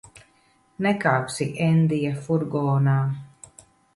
Nekāpsi Endija furgonā.